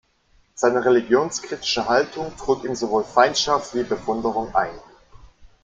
Seine religionskritische Haltung trug ihm sowohl Feindschaft wie Bewunderung ein.